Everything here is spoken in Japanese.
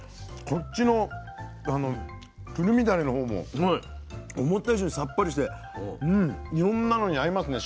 こっちのくるみだれのほうも思った以上にさっぱりしていろんなのに合いますね。